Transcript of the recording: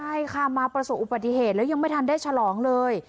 ใช่ค่ะมาประสบอุบัติเหตุแล้วยังไม่ทันได้ฉลองเลย